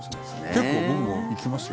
結構、僕も行きますよ。